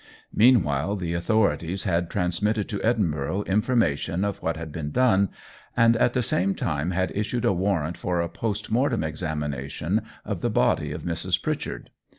Meanwhile the authorities had transmitted to Edinburgh information of what had been done, and at the same time had issued a warrant for a post mortem examination of the body of Mrs. Pritchard.